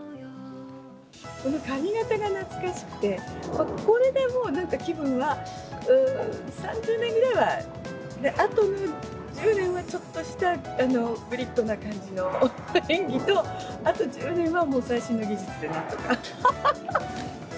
この髪形が懐かしくて、これでもうなんか気分は、３０年ぐらいは、あと１０年はちょっとしたぶりっこな感じの演技と、あと１０年はもう最新の技術でなんとか。